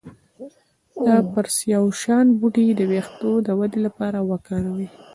د پرسیاوشان بوټی د ویښتو د ودې لپاره وکاروئ